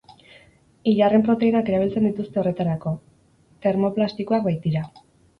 Ilarren proteinak erabiltzen dituzte horretarako, termoplastikoak baitira.